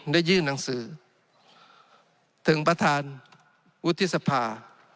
ได้ยื่นหนังสือถึงประธานวุฒิสภา